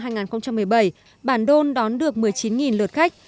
năm hai nghìn một mươi bảy bản đôn đón được một mươi chín lượt khách